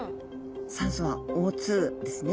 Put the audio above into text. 酸素はＯですね。